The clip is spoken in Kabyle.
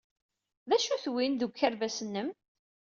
D acu-t win, deg ukerbas-nnem?